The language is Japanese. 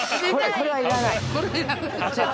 ◆これは要らない。